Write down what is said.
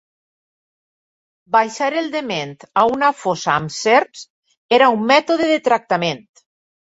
Baixar el dement a una fossa amb serps era un mètode de tractament.